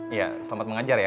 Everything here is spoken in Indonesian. iya selamat mengajar ya